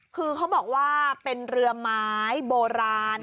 คือเขาบอกว่าเป็นเรือไม้โบราณ